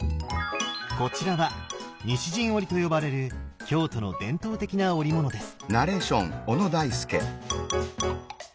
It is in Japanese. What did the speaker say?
こちらは西陣織と呼ばれる京都の伝統的な織物です。